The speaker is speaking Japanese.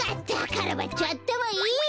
カラバッチョあったまいい。